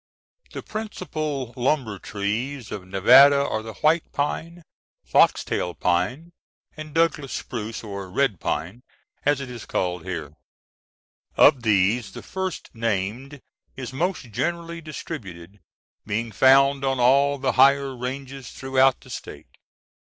The principal lumber trees of Nevada are the white pine (Pinus flexilis), foxtail pine, and Douglas spruce, or "red pine," as it is called here. Of these the first named is most generally distributed, being found on all the higher ranges throughout the State.